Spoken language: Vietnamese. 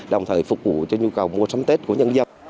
đồng thời phục vụ cho nhu cầu mua sắm tết của nhân dân